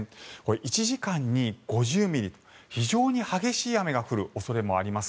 １時間に５０ミリ非常に激しい雨が降る恐れもあります。